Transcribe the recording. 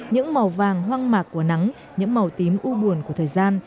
những màu vàng hoang mạc của nắng những màu tím u buồn của thời gian